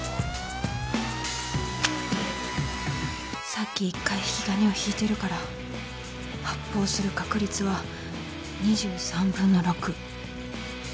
さっき１回引き金を引いてるから発砲する確率は２３分の６